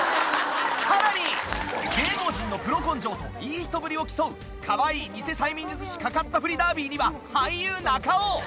さらに芸能人のプロ根性といい人ぶりを競うかわいいニセ催眠術師かかったふりダービーには俳優中尾！